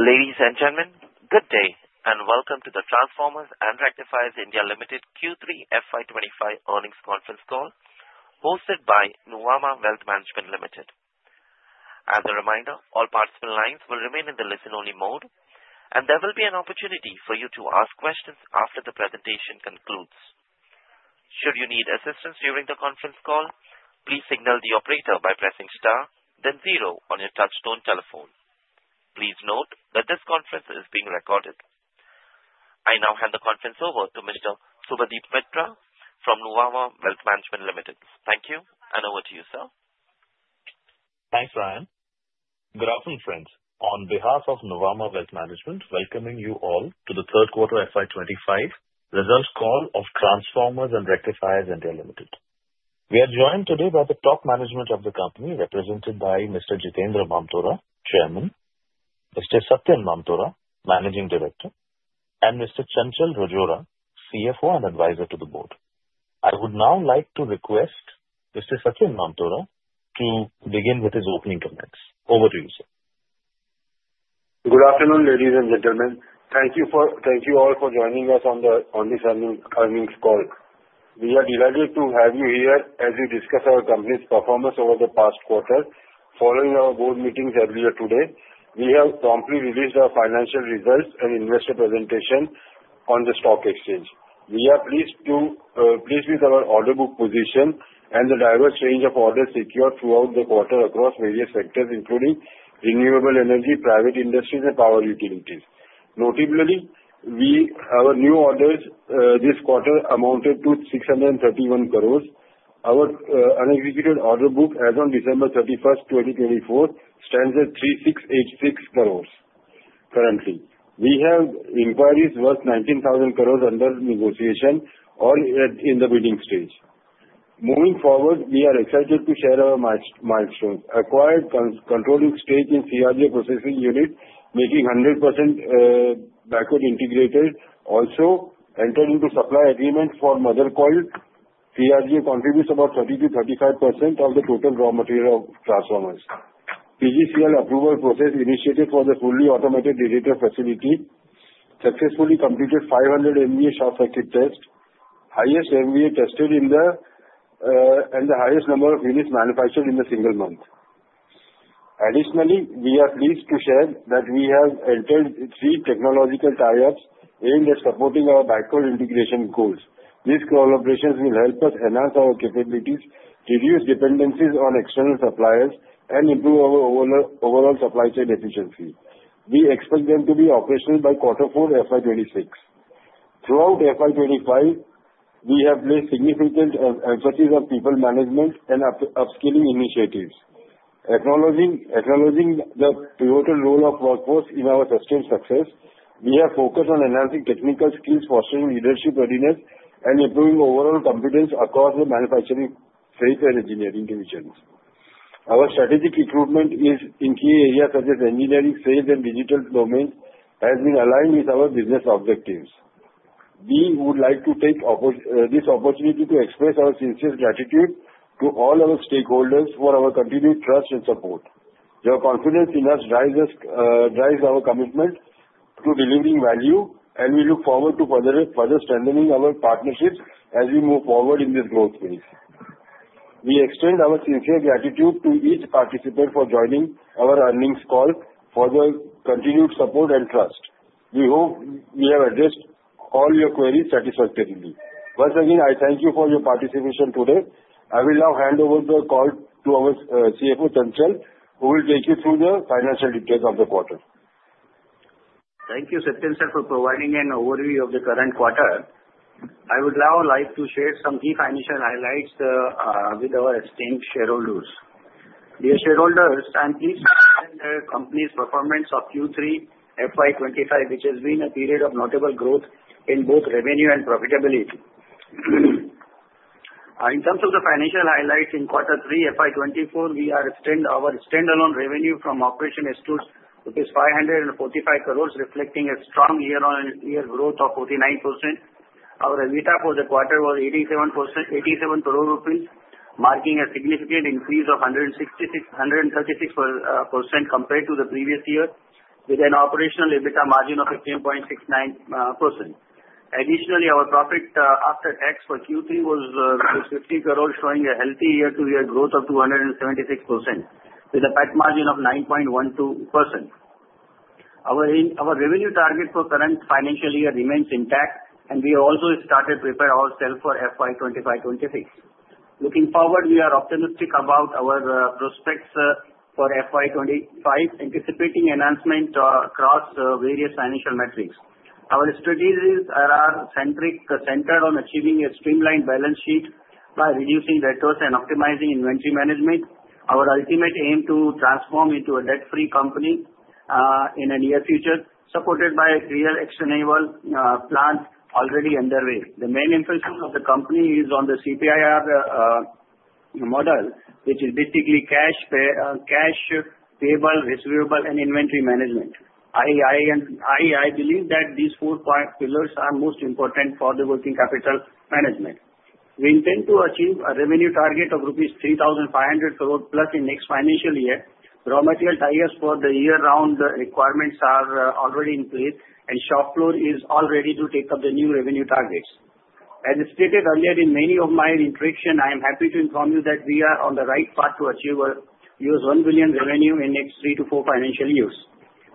Ladies and gentlemen, good day and welcome to the Transformers and Rectifiers (India) Limited Q3 FY25 earnings conference call hosted by Nuvama Wealth Management Limited. As a reminder, all participant lines will remain in the listen-only mode, and there will be an opportunity for you to ask questions after the presentation concludes. Should you need assistance during the conference call, please signal the operator by pressing star, then zero on your touch-tone telephone. Please note that this conference is being recorded. I now hand the conference over to Mr. Subhadip Mitra from Nuvama Wealth Management Limited. Thank you, and over to you, sir. Thanks, Ryan. Good afternoon, friends. On behalf of Nuvama Wealth Management, welcoming you all to the third quarter FY25 results call of Transformers and Rectifiers (India) Limited. We are joined today by the top management of the company, represented by Mr. Jitendra Mamtora, Chairman; Mr. Satyen Mamtora, Managing Director; and Mr. Chanchal Rajora, CFO and Advisor to the Board. I would now like to request Mr. Satyen Mamtora to begin with his opening comments. Over to you, sir. Good afternoon, ladies and gentlemen. Thank you all for joining us on this earnings call. We are delighted to have you here as we discuss our company's performance over the past quarter. Following our board meetings earlier today, we have promptly released our financial results and investor presentation on the stock exchange. We are pleased with our order book position and the diverse range of orders secured throughout the quarter across various sectors, including renewable energy, private industries, and power utilities. Notably, our new orders this quarter amounted to 631 crores. Our unexecuted order book, as of December 31st, 2024, stands at 3,686 crores currently. We have inquiries worth 19,000 crores under negotiation, all in the bidding stage. Moving forward, we are excited to share our milestones. Acquired controlling stake in CRGO processing unit, making 100% backward integrated. Also, entered into supply agreements for mother coil. CRGO contributes about 30%-35% of the total raw material of transformers. PGCIL approval process initiated for the fully automated digital facility successfully completed 500 MVA short circuit tests, highest MVA tested in the country and the highest number of units manufactured in a single month. Additionally, we are pleased to share that we have entered three technological tie-ups aimed at supporting our backward integration goals. These cooperations will help us enhance our capabilities, reduce dependencies on external suppliers, and improve our overall supply chain efficiency. We expect them to be operational by quarter four FY26. Throughout FY25, we have placed significant emphasis on people management and upskilling initiatives. Acknowledging the pivotal role of workforce in our sustained success, we have focused on enhancing technical skills, fostering leadership readiness, and improving overall confidence across the manufacturing, sales, and engineering divisions. Our strategic recruitment in key areas such as engineering, sales, and digital domains has been aligned with our business objectives. We would like to take this opportunity to express our sincere gratitude to all our stakeholders for our continued trust and support. Your confidence in us drives our commitment to delivering value, and we look forward to further strengthening our partnerships as we move forward in this growth phase. We extend our sincere gratitude to each participant for joining our earnings call for the continued support and trust. We hope we have addressed all your queries satisfactorily. Once again, I thank you for your participation today. I will now hand over the call to our CFO, Chanchal, who will take you through the financial details of the quarter. Thank you, Satyen sir, for providing an overview of the current quarter. I would now like to share some key financial highlights with our esteemed shareholders. Dear shareholders, I'm pleased to present the company's performance of Q3 FY25, which has been a period of notable growth in both revenue and profitability. In terms of the financial highlights in quarter three FY25, our standalone revenue from operations was ₹545 crores, reflecting a strong year-on-year growth of 49%. Our EBITDA for the quarter was ₹87 crore, marking a significant increase of 136% compared to the previous year, with an operational EBITDA margin of 15.69%. Additionally, our profit after tax for Q3 was ₹50 crore, showing a healthy year-to-year growth of 276%, with a PAT margin of 9.12%. Our revenue target for the current financial year remains intact, and we have also started to prepare ourselves for FY25-26. Looking forward, we are optimistic about our prospects for FY25, anticipating enhancement across various financial metrics. Our strategies are centered on achieving a streamlined balance sheet by reducing debtors and optimizing inventory management. Our ultimate aim is to transform into a debt-free company in the near future, supported by a clear external plan already underway. The main emphasis of the company is on the CPIR model, which is basically cash, payable, receivable, and inventory management. I believe that these four pillars are most important for the working capital management. We intend to achieve a revenue target of rupees 3,500 crore plus in the next financial year. Raw material ties for the year-round requirements are already in place, and shop floor is all ready to take up the new revenue targets. As stated earlier in many of my introductions, I am happy to inform you that we are on the right path to achieve $1 billion revenue in the next three to four financial years.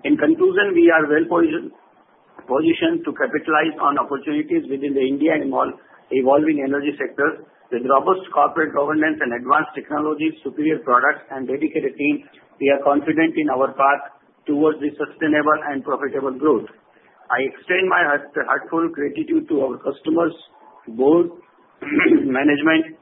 In conclusion, we are well-positioned to capitalize on opportunities within the India and all evolving energy sectors. With robust corporate governance and advanced technologies, superior products, and dedicated team, we are confident in our path towards sustainable and profitable growth. I extend my heartfelt gratitude to our customers, board, management,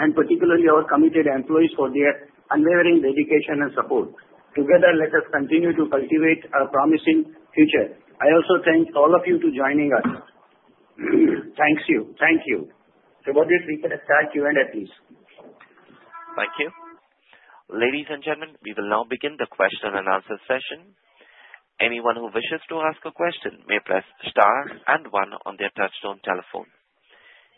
and particularly our committed employees for their unwavering dedication and support. Together, let us continue to cultivate a promising future. I also thank all of you for joining us. Thank you. Thank you. Subhadip, we can start you and Q&A. Thank you. Ladies and gentlemen, we will now begin the question and answer session. Anyone who wishes to ask a question may press star and one on their touch-tone telephone.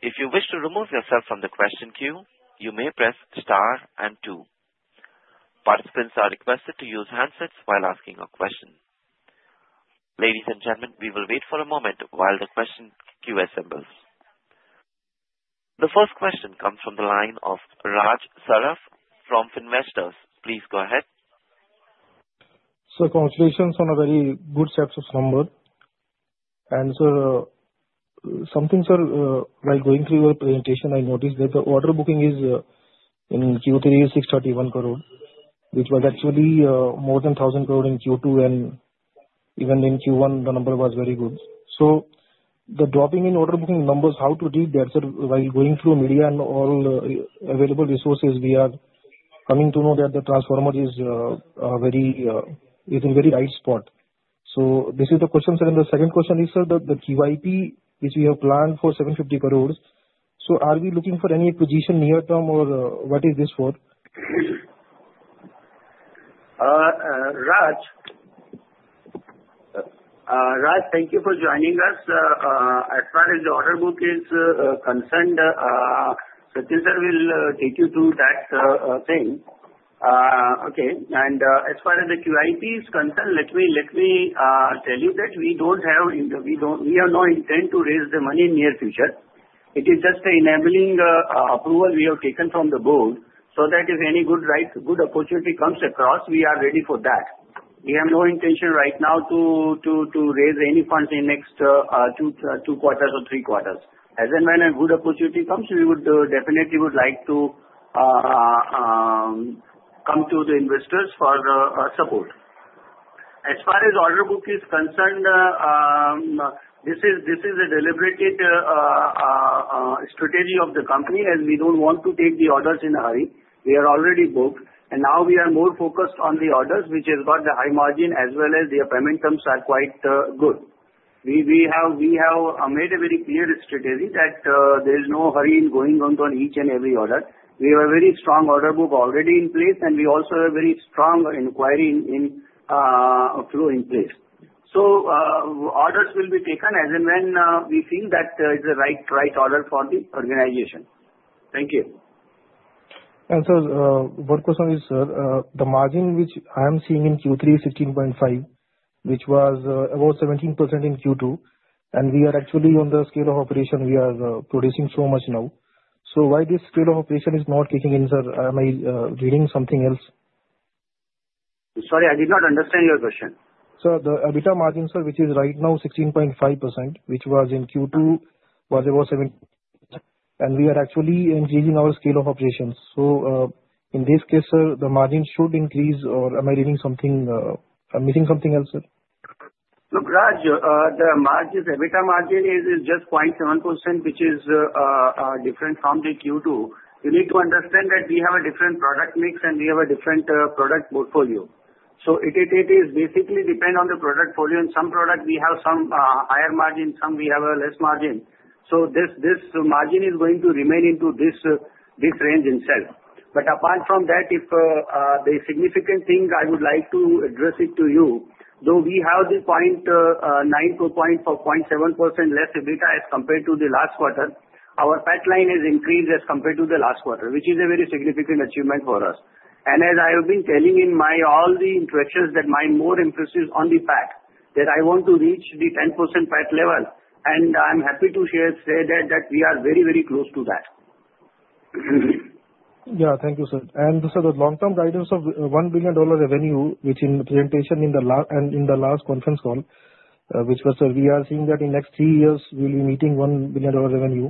If you wish to remove yourself from the question queue, you may press star and two. Participants are requested to use handsets while asking a question. Ladies and gentlemen, we will wait for a moment while the question queue assembles. The first question comes from the line of Raj Saraf from Finvestors. Please go ahead. Sir, congratulations on a very good set of numbers. And sir, something, sir, while going through your presentation, I noticed that the order booking is in Q3 is 631 crore, which was actually more than 1,000 crore in Q2, and even in Q1, the number was very good. So the dropping in order booking numbers, how to deal with that, sir, while going through media and all available resources, we are coming to know that the transformer is very in a very right spot. So this is the question, sir. And the second question is, sir, that the QIP, which we have planned for 750 crore, so are we looking for any acquisition near term or what is this for? Raj, thank you for joining us. As far as the order book is concerned, Satyen sir will take you through that thing. Okay. And as far as the QIP is concerned, let me tell you that we have no intent to raise the money in the near future. It is just enabling approval we have taken from the board so that if any good opportunity comes across, we are ready for that. We have no intention right now to raise any funds in the next two quarters or three quarters. As in, when a good opportunity comes, we would definitely like to come to the investors for support. As far as order book is concerned, this is a deliberated strategy of the company as we don't want to take the orders in a hurry. We are already booked, and now we are more focused on the orders, which has got the high margin as well as the payment terms are quite good. We have made a very clear strategy that there is no hurry in going on each and every order. We have a very strong order book already in place, and we also have a very strong inquiry flow in place, so orders will be taken as in when we feel that it's the right order for the organization. Thank you. Sir, one question is, sir, the margin which I am seeing in Q3 is 16.5%, which was about 17% in Q2, and we are actually on the scale of operation we are producing so much now. So why this scale of operation is not kicking in, sir? Am I reading something else? Sorry, I did not understand your question. Sir, the EBITDA margin, sir, which is right now 16.5%, which was in Q2, was about 17%, and we are actually increasing our scale of operations. So in this case, sir, the margin should increase, or am I reading something I'm missing something else, sir? Look, Raj, the EBITDA margin is just 0.7%, which is different from the Q2. You need to understand that we have a different product mix, and we have a different product portfolio. So it is basically depending on the product portfolio. In some products, we have some higher margin. In some, we have a less margin. So this margin is going to remain in this range itself. But apart from that, the significant thing I would like to address to you, though we have the 0.9%-0.7% less EBITDA as compared to the last quarter, our PAT line has increased as compared to the last quarter, which is a very significant achievement for us. As I have been telling in all the introductions, that my more emphasis on the PAT, that I want to reach the 10% PAT level, and I'm happy to say that we are very, very close to that. Yeah, thank you, sir. And sir, the long-term guidance of $1 billion revenue, which in the presentation and in the last conference call, which was, sir, we are seeing that in the next three years, we'll be meeting $1 billion revenue.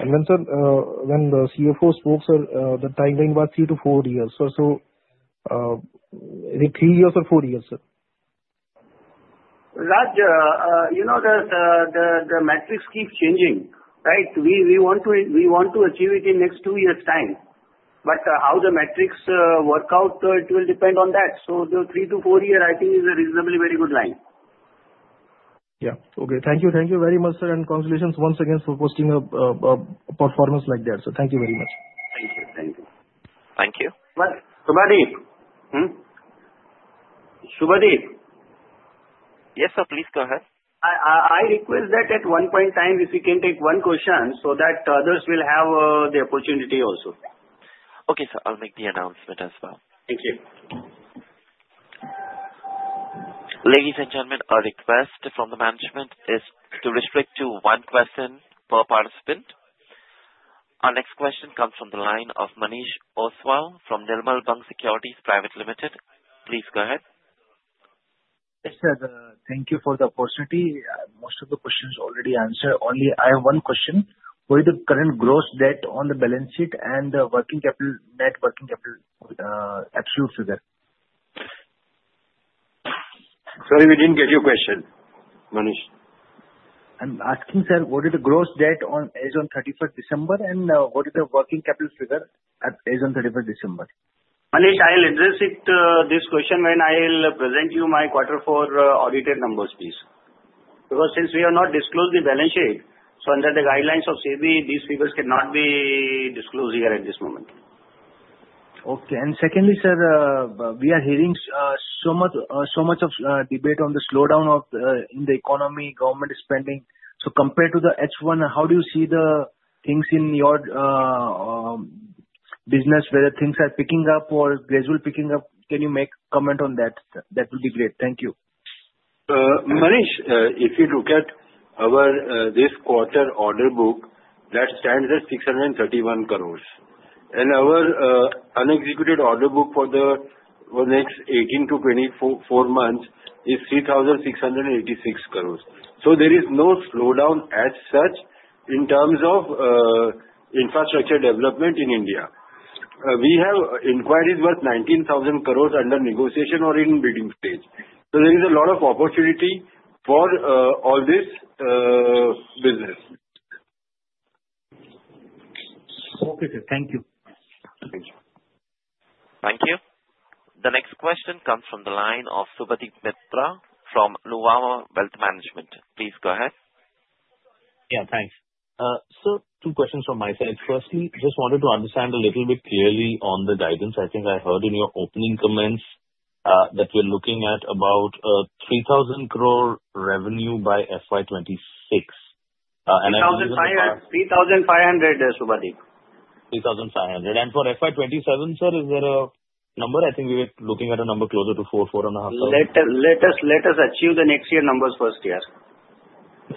And then, sir, when the CFO spoke, sir, the timeline was three to four years. So is it three years or four years, sir? Raj, you know that the metrics keep changing, right? We want to achieve it in the next two years' time. But how the metrics work out, it will depend on that. So the three- to four-year, I think, is a reasonably very good line. Yeah. Okay. Thank you. Thank you very much, sir, and congratulations once again for posting a performance like that. So thank you very much. Thank you. Thank you. Thank you. Subhadip. Subhadip. Yes, sir, please go ahead. I request that at one point in time, if we can take one question so that others will have the opportunity also. Okay, sir. I'll make the announcement as well. Thank you. Ladies and gentlemen, our request from the management is to restrict to one question per participant. Our next question comes from the line of Manish Oswal from Nirmal Bang Securities Private Limited. Please go ahead. Yes, sir. Thank you for the opportunity. Most of the questions are already answered. Only I have one question. What is the current gross debt on the balance sheet and the net working capital absolute figure? Sorry, we didn't get your question, Manish. I'm asking, sir, what is the gross debt as of 31st December, and what is the working capital figure as of 31st December? Manish, I'll address this question when I'll present you my quarter four audited numbers, please. Because since we have not disclosed the balance sheet, so under the guidelines of SEBI, these figures cannot be disclosed here at this moment. Okay. And secondly, sir, we are hearing so much of debate on the slowdown in the economy, government spending. So compared to the H1, how do you see the things in your business, whether things are picking up or gradually picking up? Can you make a comment on that? That would be great. Thank you. Manish, if you look at this quarter order book, that stands at 631 crores. And our unexecuted order book for the next 18 to 24 months is 3,686 crores. So there is no slowdown as such in terms of infrastructure development in India. We have inquiries worth 19,000 crores under negotiation or in bidding stage. So there is a lot of opportunity for all this business. Okay, sir. Thank you. Thank you. Thank you. The next question comes from the line of Subhadip Mitra from Nuvama Wealth Management. Please go ahead. Yeah, thanks. Sir, two questions from my side. Firstly, just wanted to understand a little bit clearly on the guidance. I think I heard in your opening comments that we're looking at about 3,000 crore revenue by FY26. ₹3,500, Subhadip. 3,500, and for FY27, sir, is there a number? I think we were looking at a number closer to 4, 4.5. Let us achieve the next year numbers first, yes.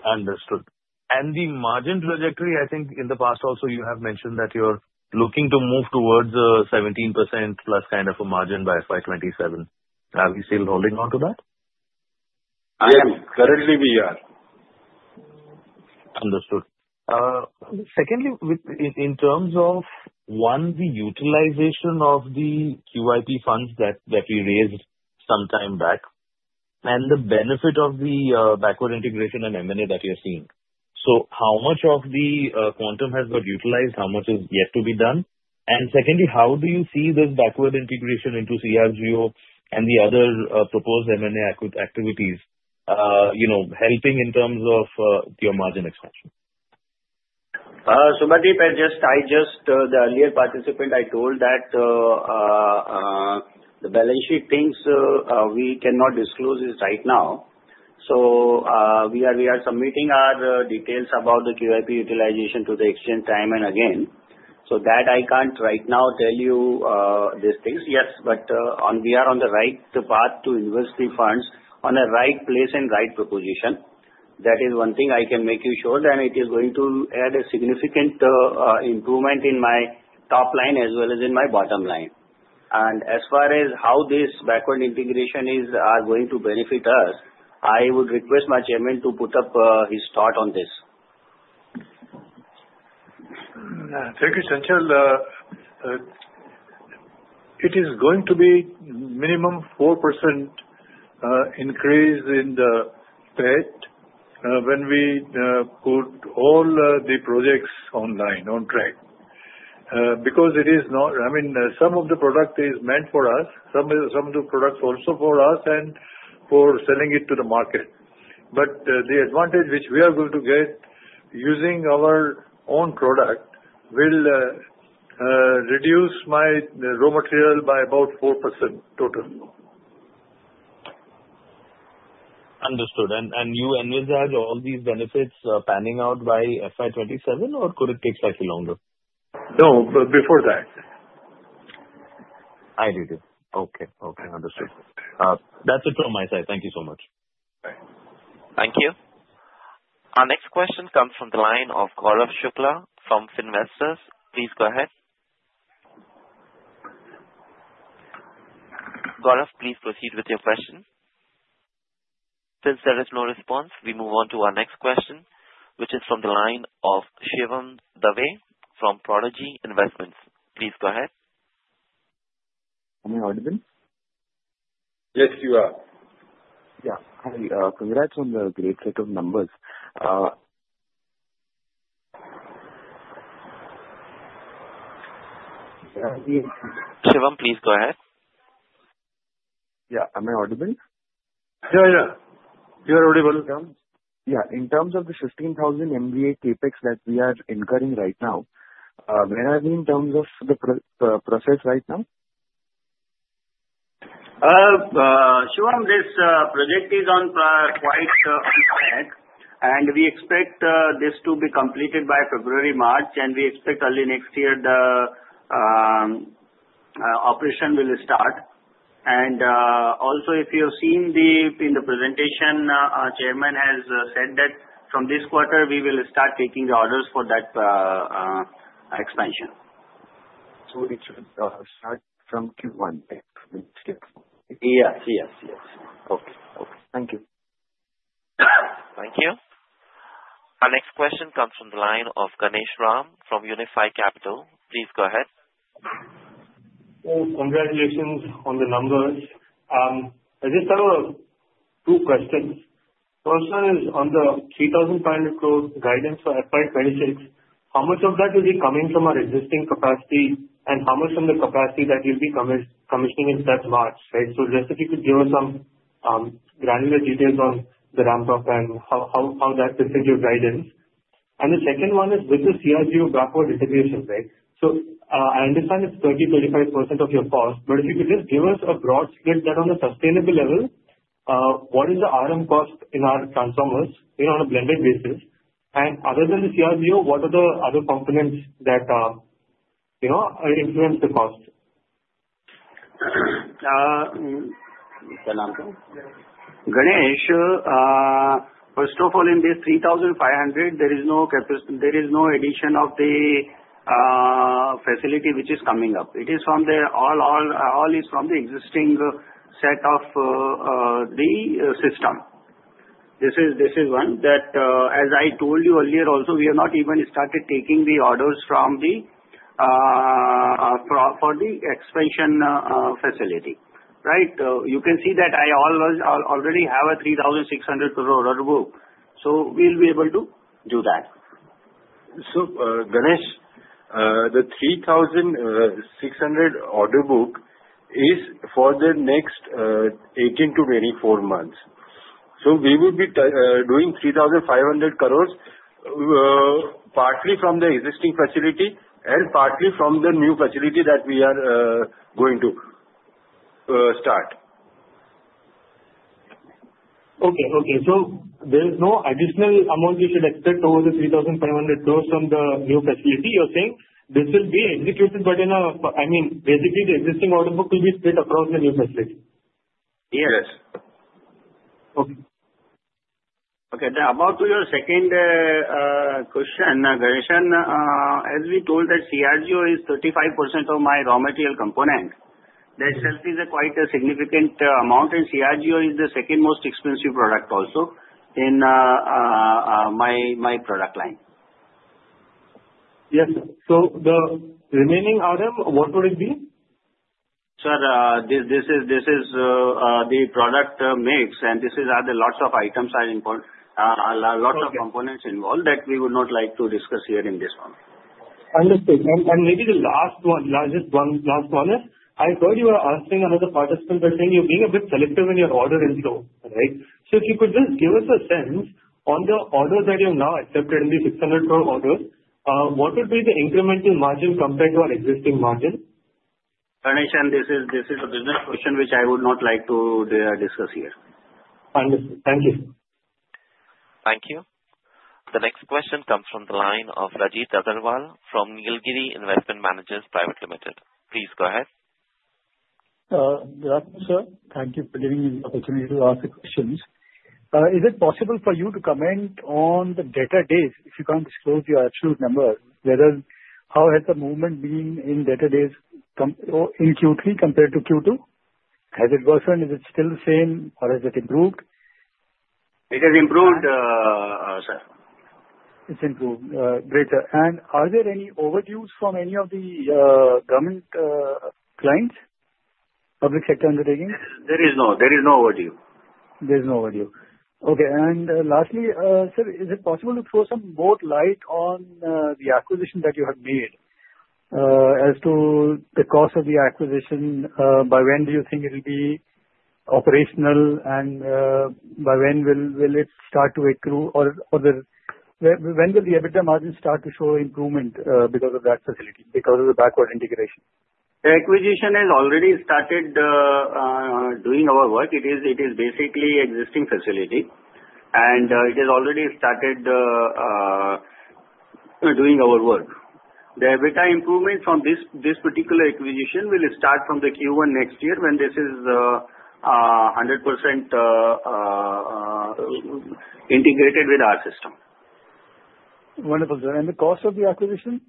Understood. And the margin trajectory, I think in the past also you have mentioned that you're looking to move towards a 17% plus kind of a margin by FY27. Are we still holding on to that? I am. Currently, we are. Understood. Secondly, in terms of, one, the utilization of the QIP funds that we raised some time back, and the benefit of the backward integration and M&A that you're seeing. So how much of the quantum has been utilized? How much is yet to be done? And secondly, how do you see this backward integration into CRGO and the other proposed M&A activities helping in terms of your margin expansion? Subhadip, I just, the earlier participant, I told that the balance sheet things we cannot disclose is right now. So we are submitting our details about the QIP utilization to the exchange time and again. So that I can't right now tell you these things. Yes, but we are on the right path to invest the funds on a right place and right proposition. That is one thing I can make you sure that it is going to add a significant improvement in my top line as well as in my bottom line. And as far as how this backward integration is going to benefit us, I would request my Chairman to put up his thought on this. Thank you, Chanchal. It is going to be minimum 4% increase in the PAT when we put all the projects online, on track. Because it is not, I mean, some of the product is meant for us, some of the products also for us, and for selling it to the market. But the advantage which we are going to get using our own product will reduce my raw material by about 4% total. Understood. And you envisage all these benefits panning out by FY27, or could it take slightly longer? No, before that. I didn't. Okay. Okay. Understood. That's it from my side. Thank you so much. Thank you. Our next question comes from the line of Gaurav Shukla from Finvestors. Please go ahead. Gaurav, please proceed with your question. Since there is no response, we move on to our next question, which is from the line of Shivam Dave from Prodigy Investments. Please go ahead. Am I audible? Yes, you are. Yeah. Congrats on the great set of numbers. Shivam, please go ahead. Yeah. Am I audible? Yeah, yeah. You are audible. In terms of the 15,000 MVA CapEx that we are incurring right now, where are we in terms of the process right now? Shivam, this project is on quite a track, and we expect this to be completed by February, March, and we expect early next year the operation will start. Also, if you have seen in the presentation, Chairman has said that from this quarter, we will start taking the orders for that expansion. It should start from Q1. Yes, yes, yes. Okay. Okay. Thank you. Thank you. Our next question comes from the line of Ganesh Ram from Unifi Capital. Please go ahead. Congratulations on the numbers. I just have two questions. First one is on the 3,500 crore guidance for FY26. How much of that will be coming from our existing capacity, and how much from the capacity that will be commissioning in March, right? So just if you could give us some granular details on the ramp-up and how that could fit your guidance. And the second one is with the CRGO backward integration, right? So I understand it's 30%-35% of your cost, but if you could just give us a broad split that on a sustainable level, what is the RM cost in our transformers on a blended basis? And other than the CRGO, what are the other components that influence the cost? Ganesh, first of all, in this 3,500, there is no addition of the facility which is coming up. It is all from the existing set of the system. This is one that, as I told you earlier, also we have not even started taking the orders for the expansion facility, right? You can see that I already have a 3,600 crore order book. So we'll be able to do that. So Ganesh, the 3,600 order book is for the next 18-24 months. So we will be doing 3,500 crores partly from the existing facility and partly from the new facility that we are going to start. Okay. So there is no additional amount you should expect over the 3,500 crores from the new facility. You're saying this will be executed, but I mean, basically, the existing order book will be split across the new facility. Yes. Yes. Okay. Okay. Now, about your second question, Ganesh Ram, as we told that CRGO is 35% of my raw material component. That itself is quite a significant amount, and CRGO is the second most expensive product also in my product line. Yes. So the remaining RM, what would it be? Sir, this is the product mix, and this is other lots of items are involved, lots of components involved that we would not like to discuss here in this one. Understood, and maybe the last one is I heard you were asking another participant by saying you're being a bit selective in your order inflow, right? So if you could just give us a sense on the orders that you have now accepted in the 600 crore orders, what would be the incremental margin compared to our existing margin? Ram, this is a business question which I would not like to discuss here. Understood. Thank you. Thank you. The next question comes from the line of Rajit Agarwal from Neelgiri Investment Managers Private Limited. Please go ahead. Good afternoon, sir. Thank you for giving me the opportunity to ask the questions. Is it possible for you to comment on the debtor days if you can't disclose your absolute number? How has the movement been in debtor days in Q3 compared to Q2? Has it worsened? Is it still the same, or has it improved? It has improved, sir. It's improved. Great. And are there any overdues from any of the government clients, public sector undertakings? There is no overdue. There is no overdue. Okay. And lastly, sir, is it possible to throw some more light on the acquisition that you have made as to the cost of the acquisition? By when do you think it will be operational, and by when will it start to accrue? Or when will the EBITDA margin start to show improvement because of that facility, because of the backward integration? The acquisition has already started doing our work. It is basically an existing facility, and it has already started doing our work. The EBITDA improvement from this particular acquisition will start from the Q1 next year when this is 100% integrated with our system. Wonderful, sir. And the cost of the acquisition?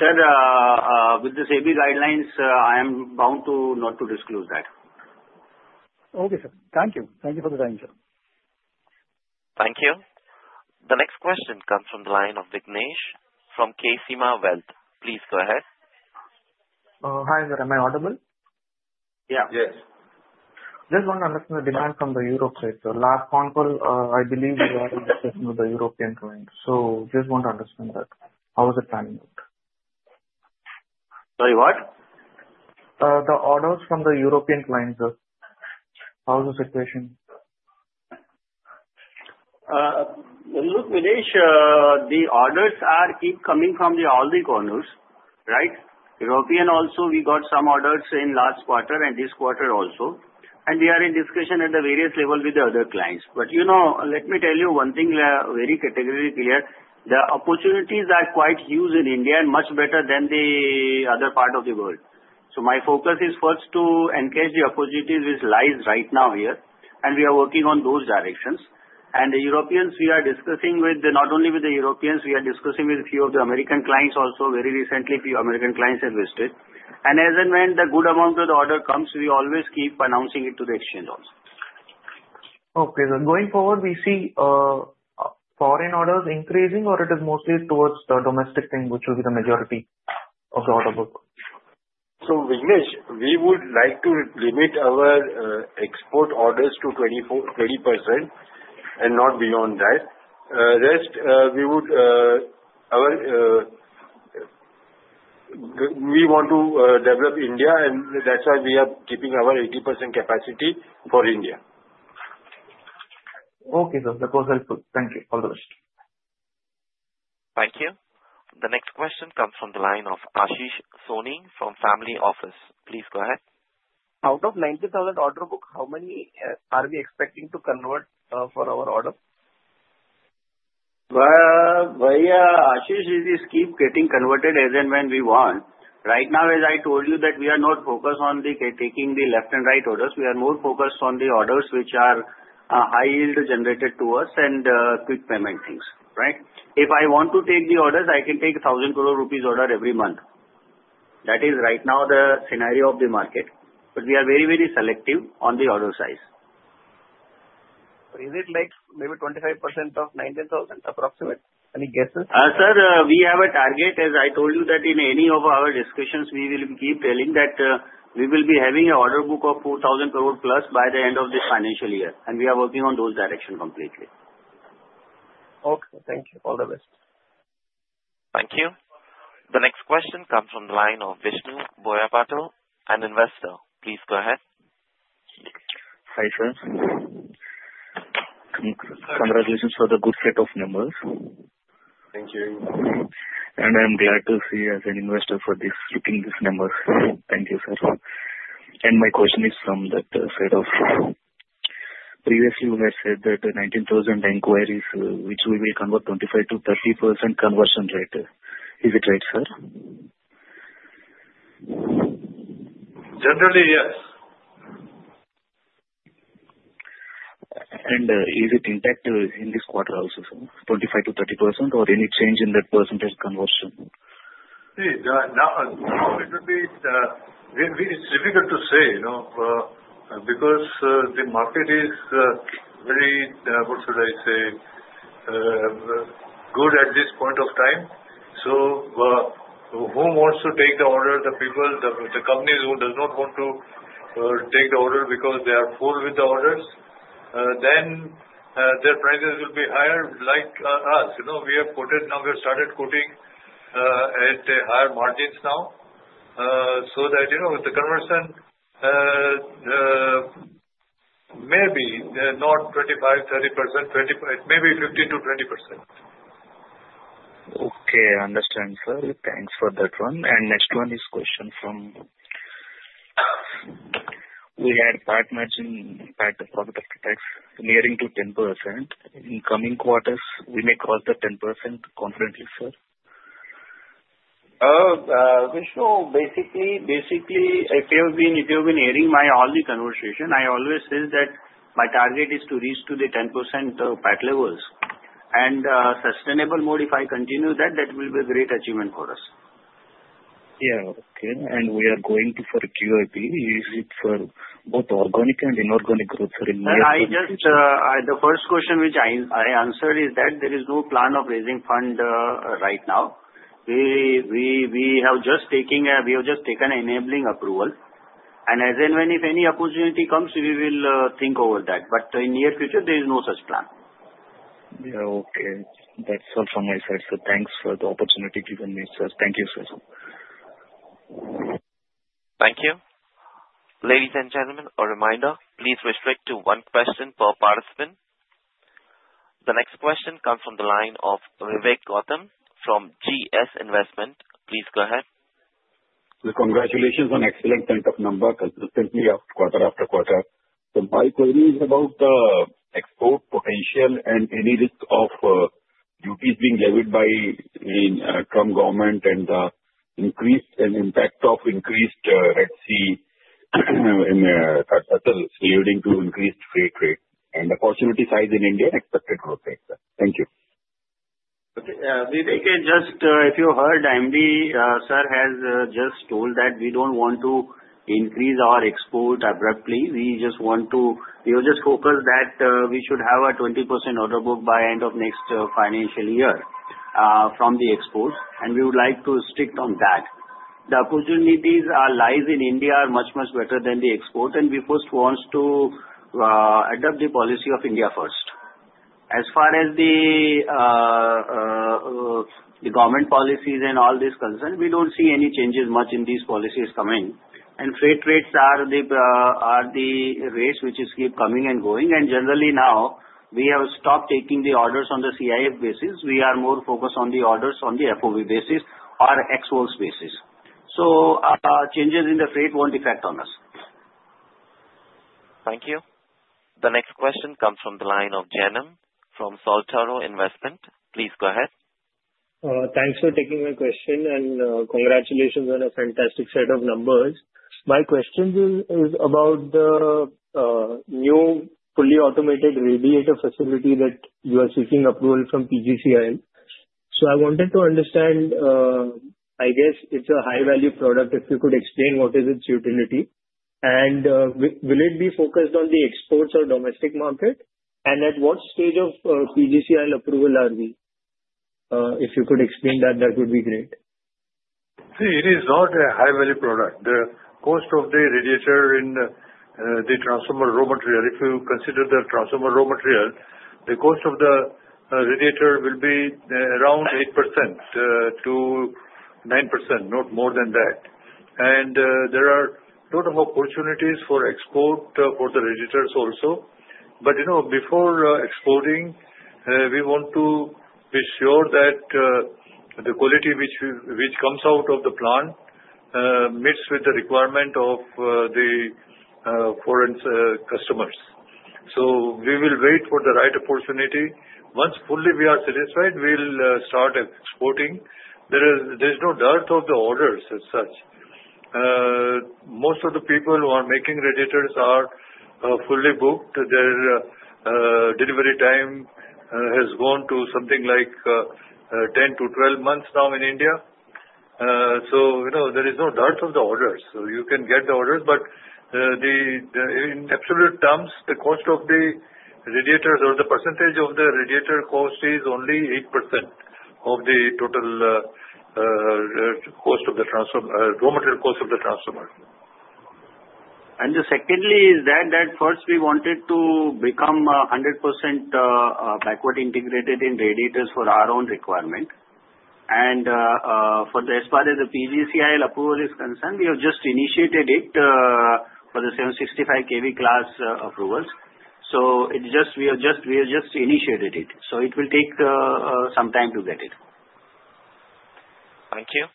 Sir, with the CB guidelines, I am bound not to disclose that. Okay, sir. Thank you. Thank you for the time, sir. Thank you. The next question comes from the line of Vignesh from KC Marvelt. Please go ahead. Hi, sir. Am I audible? Yeah. Yes. Just want to understand the demand from the Europe side. So last phone call, I believe you were in discussion with the European client. So just want to understand that. How is it panning out? Sorry, what? The orders from the European client, sir. How is the situation? Look, Vignesh, the orders keep coming from all the corners, right? European also, we got some orders in last quarter and this quarter also. And we are in discussion at the various levels with the other clients. But let me tell you one thing very categorically clear. The opportunities are quite huge in India and much better than the other part of the world. So my focus is first to encase the opportunities which lies right now here. And we are working on those directions. And the Europeans, we are discussing with not only with the Europeans, we are discussing with a few of the American clients also very recently. A few American clients have listed. And as and when the good amount of the order comes, we always keep announcing it to the exchange also. Okay, so going forward, we see foreign orders increasing, or it is mostly towards the domestic thing, which will be the majority of the order book? So Vignesh, we would like to limit our export orders to 20% and not beyond that. Rest, we want to develop India, and that's why we are keeping our 80% capacity for India. Okay, sir. That was helpful. Thank you. All the best. Thank you. The next question comes from the line of Ashish Soni from Family Office. Please go ahead. Out of 90,000 order book, how many are we expecting to convert for our order? Ashish, it keeps getting converted as and when we want. Right now, as I told you, that we are not focused on taking the left and right orders. We are more focused on the orders which are high-yield generated to us and quick payment things, right? If I want to take the orders, I can take 1,000 crore rupees order every month. That is right now the scenario of the market. But we are very, very selective on the order size. Is it like maybe 25% of 90,000, approximately? Any guesses? Sir, we have a target, as I told you, that in any of our discussions, we will keep telling that we will be having an order book of 2,000 crore plus by the end of this financial year, and we are working on those directions completely. Okay. Thank you. All the best. Thank you. The next question comes from the line of Vishnu Boyapatil, an investor. Please go ahead. Hi, sir. Congratulations for the good set of numbers. Thank you. I'm glad to see as an investor for looking at these numbers. Thank you, sir. My question is from that side of previously, you had said that the 19,000 inquiries, which we will convert 25%-30% conversion rate. Is it right, sir? Generally, yes. Is it intact in this quarter also, sir? 25%-30%, or any change in that percentage conversion? It's difficult to say because the market is very, what should I say, good at this point of time. So who wants to take the order, the people, the companies who do not want to take the order because they are full with the orders, then their prices will be higher like us. We have quoted now, we have started quoting at higher margins now. So that the conversion may be not 25%, 30%, maybe 15% to 20%. Okay. I understand, sir. Thanks for that one. And next one is question from we had PAT margin net profit after tax nearing to 10%. In coming quarters, we may cross the 10% confidently, sir? Vishnu, basically, if you've been hearing my earlier conversation, I always say that my target is to reach to the 10% PAT levels, and sustainable mode, if I continue that, that will be a great achievement for us. Yeah. Okay. And we are going to for QIP, is it for both organic and inorganic growth? The first question which I answered is that there is no plan of raising fund right now. We have just taken enabling approval, and as and when if any opportunity comes, we will think over that, but in near future, there is no such plan. Yeah. Okay. That's all from my side. So thanks for the opportunity given me, sir. Thank you, sir. Thank you. Ladies and gentlemen, a reminder, please restrict to one question per participant. The next question comes from the line of Vivek Gautam from GS Investments. Please go ahead. Congratulations on excellent set of numbers consistently of quarter after quarter. So my query is about the export potential and any risk of duties being levied from government and the increased impact of increased Red Sea leveling to increased freight rate and opportunity size in India and expected growth rate. Thank you. Vivek, just if you heard, MD sir has just told that we don't want to increase our export abruptly. We just want to just focus that we should have a 20% order book by end of next financial year from the exports. And we would like to stick on that. The opportunities lies in India are much, much better than the export. And we first want to adopt the policy of India first. As far as the government policies and all this concerned, we don't see any changes much in these policies coming. And freight rates are the rates which keep coming and going. And generally now, we have stopped taking the orders on the CIF basis. We are more focused on the orders on the FOB basis or exports basis. So changes in the freight won't affect on us. Thank you. The next question comes from the line of Janam from Saltoro Capital. Please go ahead. Thanks for taking my question. And congratulations on a fantastic set of numbers. My question is about the new fully automated radiator facility that you are seeking approval from PGCIL. So I wanted to understand, I guess it's a high-value product. If you could explain what is its utility and will it be focused on the exports or domestic market? And at what stage of PGCIL approval are we? If you could explain that, that would be great. See, it is not a high-value product. The cost of the radiator in the transformer raw material, if you consider the transformer raw material, the cost of the radiator will be around 8%-9%, not more than that. And there are a lot of opportunities for export for the radiators also. But before exporting, we want to be sure that the quality which comes out of the plant meets with the requirement of the foreign customers. So we will wait for the right opportunity. Once fully we are satisfied, we'll start exporting. There is no dearth of the orders as such. Most of the people who are making radiators are fully booked. Their delivery time has gone to something like 10-12 months now in India. So there is no dearth of the orders. So you can get the orders. But in absolute terms, the cost of the radiators or the percentage of the radiator cost is only 8% of the total cost of the raw material cost of the transformer. Secondly, is that first we wanted to become 100% backward integrated in radiators for our own requirement. As far as the PGCIL approval is concerned, we have just initiated it for the 765 KV class approvals. So we have just initiated it. So it will take some time to get it. Thank you.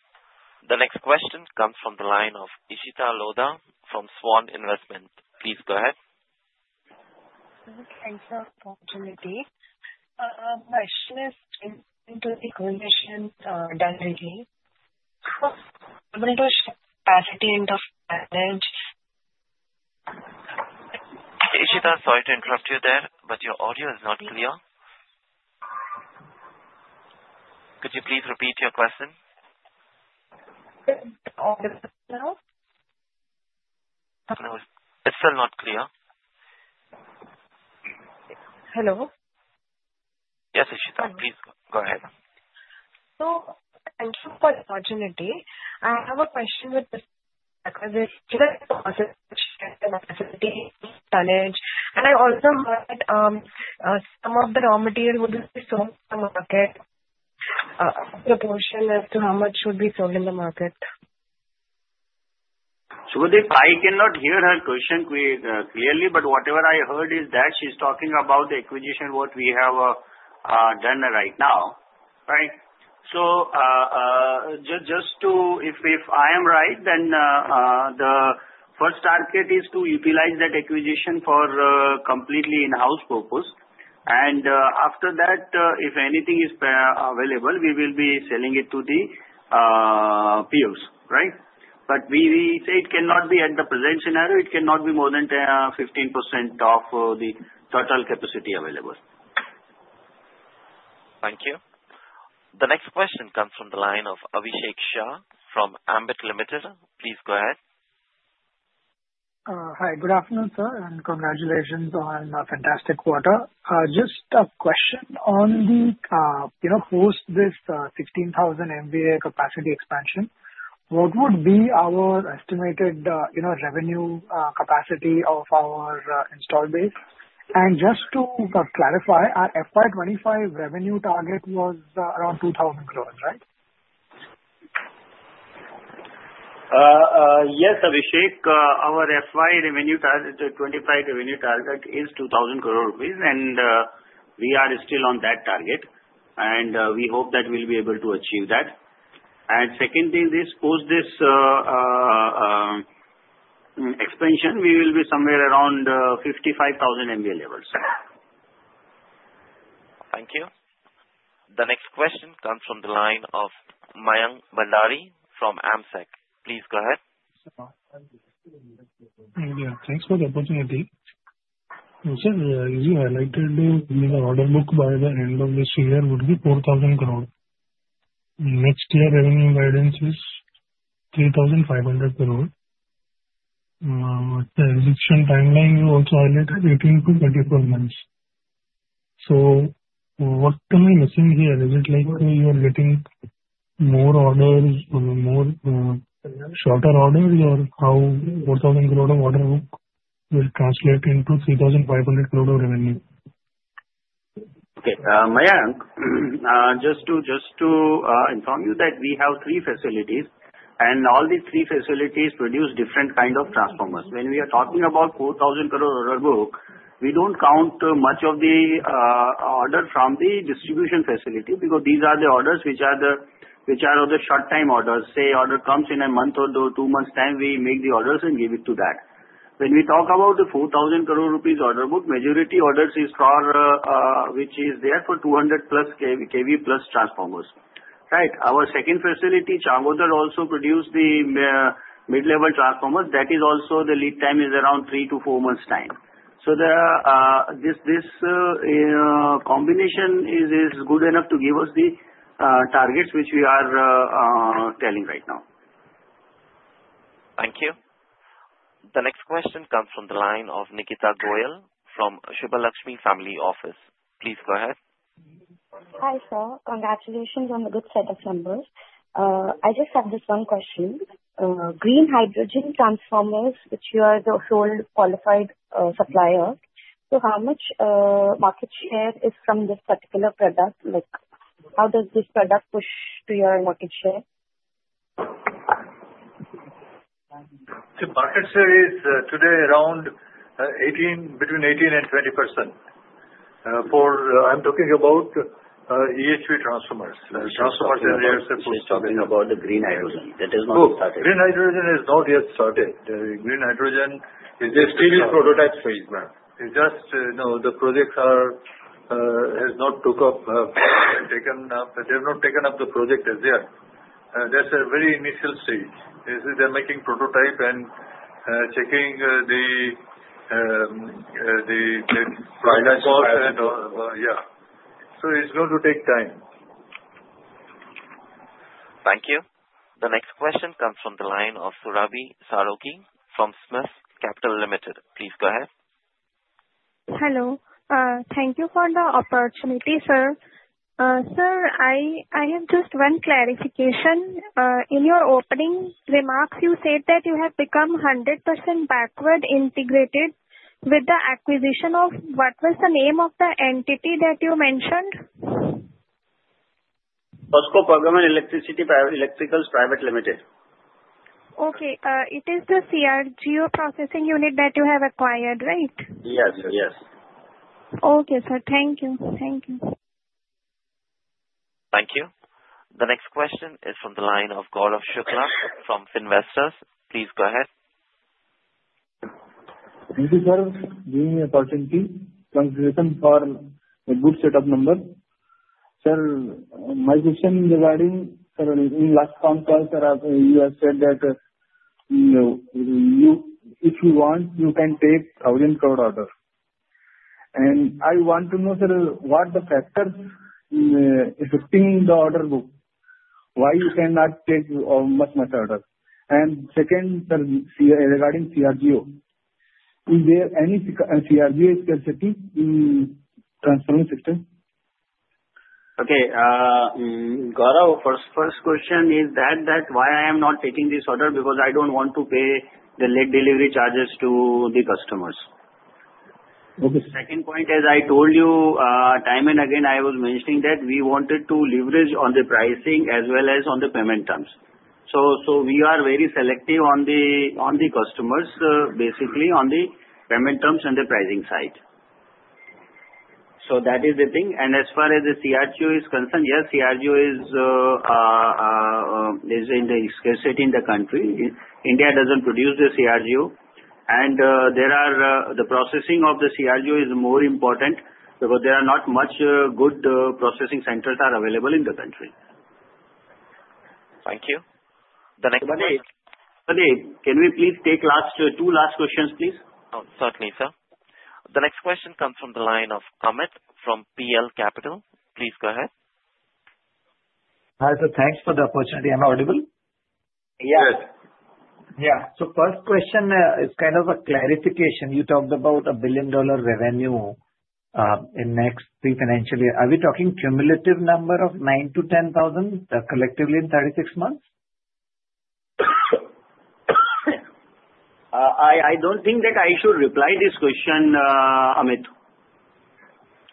The next question comes from the line of Ishita Lodha from Swan Investments. Please go ahead. Thank you for the opportunity. My question is due to the collision delivery. I want to share capacity and the managers. Isita, sorry to interrupt you there, but your audio is not clear. Could you please repeat your question? Is it audible now? It's still not clear. Hello? Yes, Ishita. Please go ahead. Thank you for the opportunity. I have a question with the recent process which has been managed. I also heard some of the raw material will be sold in the market. What proportion as to how much should be sold in the market? I cannot hear her question clearly, but whatever I heard is that she's talking about the acquisition what we have done right now, right? So just to if I am right, then the first target is to utilize that acquisition for completely in-house purpose. And after that, if anything is available, we will be selling it to the peers, right? But we say it cannot be at the present scenario. It cannot be more than 15% of the total capacity available. Thank you. The next question comes from the line of Abhishek Shah from Ambit Capital. Please go ahead. Hi. Good afternoon, sir. And congratulations on a fantastic quarter. Just a question on the post this 16,000 MVA capacity expansion. What would be our estimated revenue capacity of our installed base? And just to clarify, our FY25 revenue target was around 2,000 crores, right? Yes, Abhishek. Our FY revenue target, the 25 revenue target is 2,000 crore rupees, and we are still on that target. We hope that we'll be able to achieve that. Second thing, post this expansion, we will be somewhere around 55,000 MVA levels. Thank you. The next question comes from the line of Mayank Bhandari from AMSEC. Please go ahead. Thanks for the opportunity. You said you highlighted the order book by the end of this year would be 4,000 crore. Next year revenue guidance is 3,500 crore. The execution timeline you also highlighted 18 to 24 months. So what am I missing here? Is it like you are getting more orders, more shorter orders, or how 4,000 crore of order book will translate into 3,500 crore of revenue? Okay. Mayank, just to inform you that we have three facilities, and all these three facilities produce different kinds of transformers. When we are talking about 4,000 crore order book, we don't count much of the order from the distribution facility because these are the orders which are of the short-time orders. Say order comes in a month or two months' time, we make the orders and give it to that. When we talk about the 4,000 crore rupees order book, majority orders is for which is there for 200 plus kV plus transformers, right? Our second facility, Changodar, also produces the mid-level transformers. That is also the lead time is around three to four months' time. So this combination is good enough to give us the targets which we are telling right now. Thank you. The next question comes from the line of Nikita Goyal from Shivalakshmi Family Office. Please go ahead. Hi, sir. Congratulations on the good set of numbers. I just have this one question. green hydrogen transformers, which you are the sole qualified supplier, so how much market share is from this particular product? How does this product push to your market share? The market share is today around between 18% and 20%. I'm talking about EHV transformers. Transformers and reactors. We're talking about the green hydrogen. That is not started. Green hydrogen is not yet started. Green hydrogen is still in prototype phase, ma'am. It's just the projects have not taken up. They have not taken up the project as yet. That's a very initial stage. They're making prototype and checking the trials. Yeah. So it's going to take time. Thank you. The next question comes from the line of Surabhi Sarogi from Smith Capital Limited. Please go ahead. Hello. Thank you for the opportunity, sir. Sir, I have just one clarification. In your opening remarks, you said that you have become 100% backward integrated with the acquisition of what was the name of the entity that you mentioned? Posco Poggenamp Electricity Electrical Private Limited. Okay. It is the CRGO processing unit that you have acquired, right? Yes. Yes. Okay, sir. Thank you. Thank you. Thank you. The next question is from the line of Gaurav Shukla from Finvestors. Please go ahead. Thank you, sir, giving me the opportunity. Congratulations for a good set of numbers. Sir, my question regarding in last phone call, sir, you have said that if you want, you can take 1,000 crore order. And I want to know, sir, what are the factors affecting the order book? Why you cannot take much, much order? And second, regarding CRGO, is there any CRGO facility in the transforming system? Okay. Gaurav, first question is that why I am not taking this order? Because I don't want to pay the late delivery charges to the customers. The second point, as I told you time and again, I was mentioning that we wanted to leverage on the pricing as well as on the payment terms. So we are very selective on the customers, basically on the payment terms and the pricing side. So that is the thing. And as far as the CRGO is concerned, yes, CRGO is in the excess in the country. India doesn't produce the CRGO. And the processing of the CRGO is more important because there are not much good processing centers available in the country. Thank you. The next question. But hey, can we please take two last questions, please? Certainly, sir. The next question comes from the line of Amit from PL Capital. Please go ahead. Hi, sir. Thanks for the opportunity. Am I audible? Yes. Yes, so first question is kind of a clarification. You talked about a billion-dollar revenue in the next three financial years. Are we talking cumulative number of 9-10 thousand collectively in 36 months? I don't think that I should reply this question, Amit.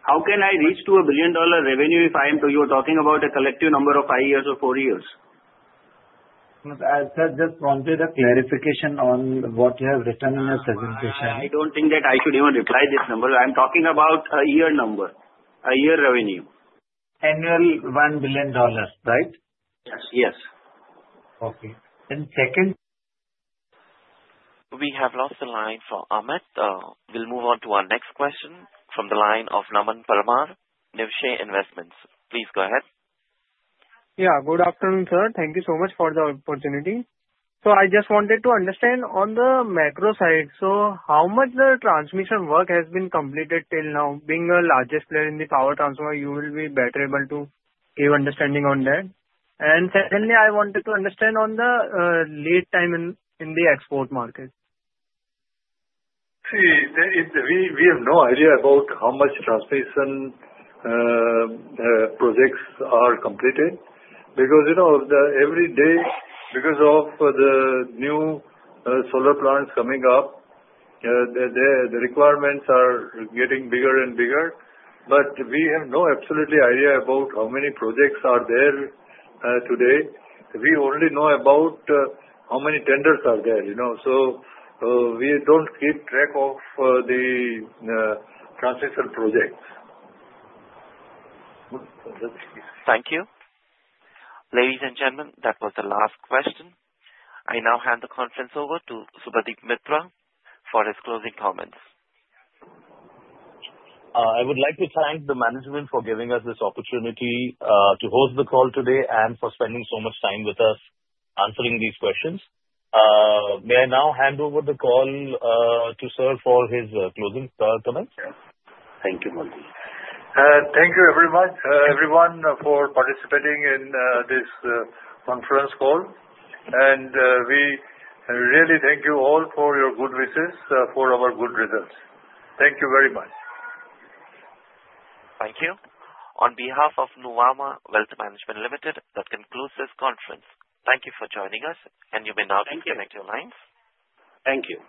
How can I reach to a billion-dollar revenue if you are talking about a collective number of five years or four years? I just wanted a clarification on what you have written in your presentation. I don't think that I should even reply this number. I'm talking about a year number, a year revenue. Annual $1 billion, right? Yes. Okay. And second. We have lost the line for Amit. We'll move on to our next question from the line of Naman Parmar, Niveshaay Investments. Please go ahead. Yeah. Good afternoon, sir. Thank you so much for the opportunity. So I just wanted to understand on the macro side, so how much the transmission work has been completed till now? Being a largest player in the power transformer, you will be better able to give understanding on that. And secondly, I wanted to understand on the lead time in the export market. See, we have no idea about how much transmission projects are completed because every day, because of the new solar plants coming up, the requirements are getting bigger and bigger. But we have no absolute idea about how many projects are there today. We only know about how many tenders are there. So we don't keep track of the transmission projects. Thank you. Ladies and gentlemen, that was the last question. I now hand the conference over to Subhadip Mitra for his closing comments. I would like to thank the management for giving us this opportunity to host the call today and for spending so much time with us answering these questions. May I now hand over the call to sir for his closing comments? Thank you, Manish. Thank you everyone for participating in this conference call. We really thank you all for your good wishes for our good results. Thank you very much. Thank you. On behalf of Nuvama Wealth Management Limited, that concludes this conference. Thank you for joining us, and you may now disconnect your lines. Thank you.